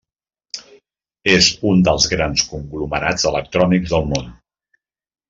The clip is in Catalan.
És un dels grans conglomerats electrònics del món.